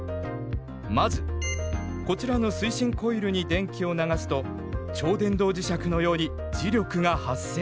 まずこちらの「推進コイル」に電気を流すと超電導磁石のように磁力が発生。